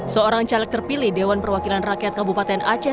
seorang caleg terpilih dewan perwakilan rakyat kabupaten aceh